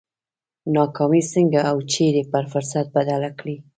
ناکامي څنګه او چېرې پر فرصت بدله کړي؟